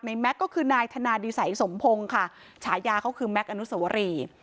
แม็กซ์ก็คือนายธนาดิสัยสมพงศ์ค่ะฉายาเขาคือแม็กซอนุสวรี